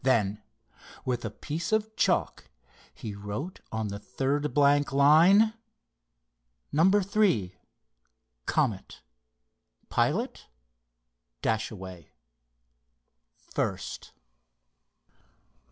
Then with a piece of chalk he wrote on the third blank line: "_Number three, Comet; pilot, Dashaway—first.